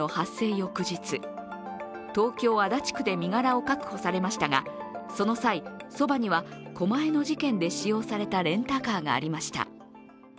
翌日、東京・足立区で身柄を確保されましたが、その際、そばには狛江の事件で使用されたレンタカーがありました。